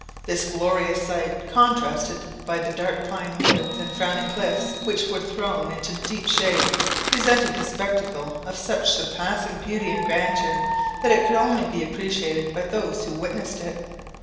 This gorgeous sight, contrasted by the dark pine woods and frowning cliffs which were thrown into deep shade, presented a spectacle of such surpassing beauty and grandeur, that it could only be appreciated by those who witnessed it.